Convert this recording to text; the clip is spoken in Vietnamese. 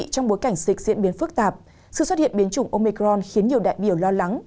trong bối cảnh dịch diễn biến phức tạp sự xuất hiện biến chủng omecron khiến nhiều đại biểu lo lắng